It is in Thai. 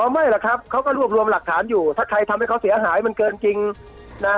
ไม่หรอกครับเขาก็รวบรวมหลักฐานอยู่ถ้าใครทำให้เขาเสียหายมันเกินจริงนะ